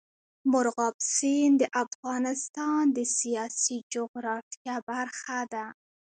مورغاب سیند د افغانستان د سیاسي جغرافیه برخه ده.